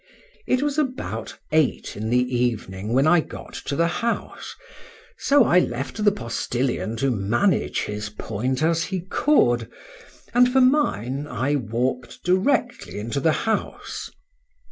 It was about eight in the evening when I got to the house—so I left the postilion to manage his point as he could;—and, for mine, I walked directly into the house.